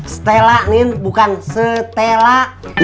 setelah nin bukan setelah